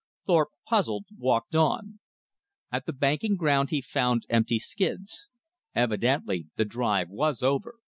Thorpe, puzzled, walked on. At the banking ground he found empty skids. Evidently the drive was over.